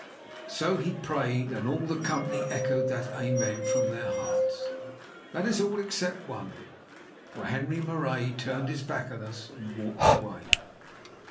So he prayed, and all the company echoed that Amen from their hearts. That is all except one, for Henri Marais turned his back on us and walked away.